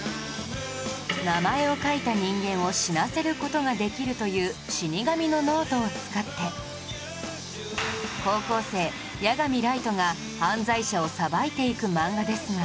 名前を書いた人間を死なせる事ができるという死神のノートを使って高校生夜神月が犯罪者を裁いていく漫画ですが